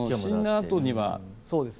死んだあとには。